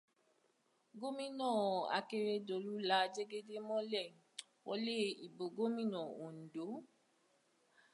Gómìnà Akérédolú la Jégédé mọ́lẹ̀ wọlé ìbò gómìnà Òǹdó.